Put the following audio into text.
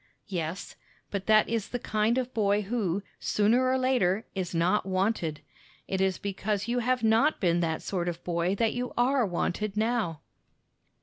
"Yes, but that is the kind of boy who, sooner or later, is not wanted. It is because you have not been that sort of boy that you are wanted now."